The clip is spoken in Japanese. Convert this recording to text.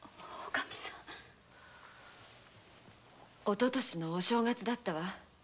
おととしのお正月だったわ。